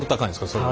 それは。